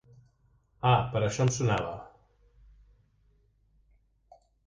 Ah, per això em sonava...